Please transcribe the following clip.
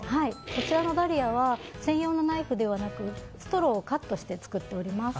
こちらのダリアは専用のナイフではなくストローをカットして作っております。